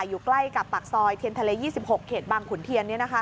อยู่ใกล้กับปากซอยเทียนทะเล๒๖เขตบางขุนเทียน